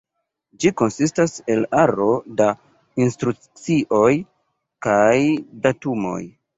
Ĝi konsistas el aro da instrukcioj kaj datumoj.